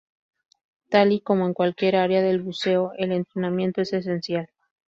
Tal y como en cualquier área del buceo, el entrenamiento es esencial.